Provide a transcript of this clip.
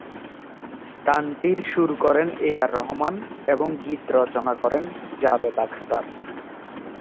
গানটির সুর করেন এ আর রহমান এবং গীত রচনা করেন জাভেদ আখতার।